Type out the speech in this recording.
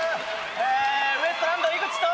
ウエストランド井口と。